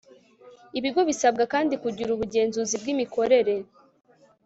ibigo bisabwa kandi kugira ubugenzuzi bw'imikorere